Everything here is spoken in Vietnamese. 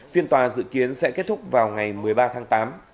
phiên tòa dự kiến sẽ kết thúc vào ngày một mươi ba tháng tám